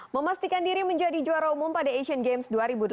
memastikan diri menjadi juara umum pada asian games dua ribu delapan belas